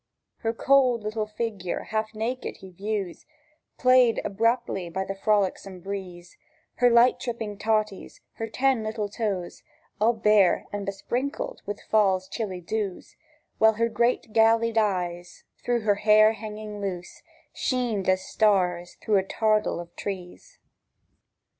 Her cwold little figure half naked he views Played about by the frolicsome breeze, Her light tripping totties, her ten little tooes, All bare and besprinkled wi' Fall's chilly dews, While her great gallied eyes, through her hair hanging loose, Sheened as stars through a tardle o' trees.